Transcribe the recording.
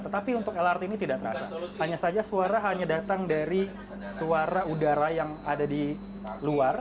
tetapi untuk lrt ini tidak terasa hanya saja suara hanya datang dari suara udara yang ada di luar